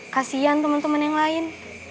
kasian temen temen yang lain